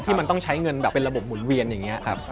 มันต้องใช้เงินแบบเป็นระบบหมุนเวียนอย่างนี้ครับ